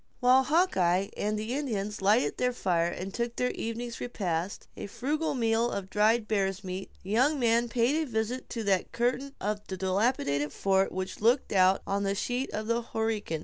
While Hawkeye and the Indians lighted their fire and took their evening's repast, a frugal meal of dried bear's meat, the young man paid a visit to that curtain of the dilapidated fort which looked out on the sheet of the Horican.